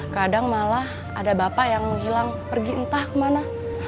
kadang malah ada bapak yang menghilang pergi entah kemana